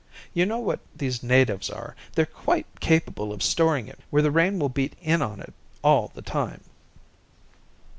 You know what these natives are, they're quite capable of storing it where the rain will beat in on it all the time."